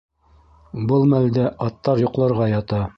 Был мәлдә аттар йоҡларға ята.